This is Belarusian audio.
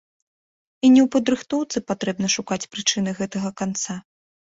І не ў падрыхтоўцы патрэбна шукаць прычыны гэтага канца.